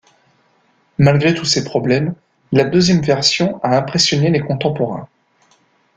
Malgré tous ces problèmes, la deuxième version a impressionné les contemporains.